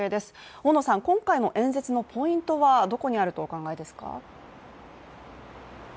大野さん、今回の演説のポイントはどこにあるとお考えですか？